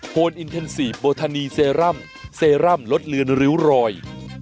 นอินเทนซีฟโบทานีเซรั่มเซรั่มลดเลือนริ้วรอย